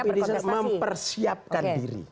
tapi di satu sisi mempersiapkan diri